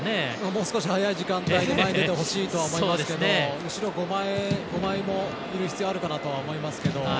もう少し早い時間帯で前に出てほしいと思いますけど後ろ５枚もいる必要があるかなと思いますけど。